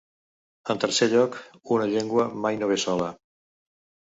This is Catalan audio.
En tercer lloc, una "llengua" mai no ve sola.